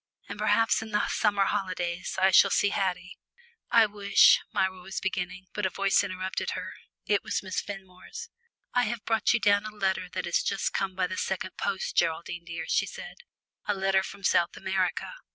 And perhaps in the summer holidays I shall see Haddie." "I wish " Myra was beginning, but a voice interrupted her. It was Miss Fenmore's. "I have brought you down a letter that has just come by the second post, Geraldine, dear," she said; "a letter from South America."